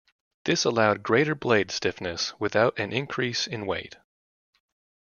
This allowed greater blade stiffness without an increase in weight.